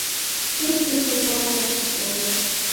هیڅ مسلمان مه سپکوئ.